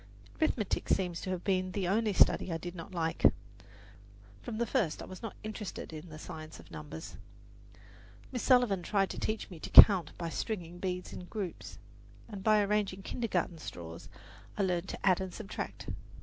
Arithmetic seems to have been the only study I did not like. From the first I was not interested in the science of numbers. Miss Sullivan tried to teach me to count by stringing beads in groups, and by arranging kintergarten straws I learned to add and subtract.